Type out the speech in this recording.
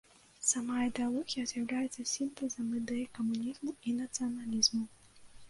Сама ідэалогія з'яўляецца сінтэзам ідэй камунізму і нацыяналізму.